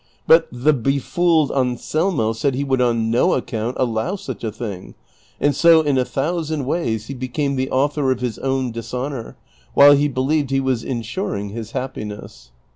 But the befooled Anselmo said he Avould on no account allow such a thing, and so in a thousand ways he ijecame the author of his own dishonor, while he believed he was insui"ing his happiness.